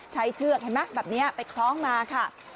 เชือกเห็นไหมแบบนี้ไปคล้องมาค่ะ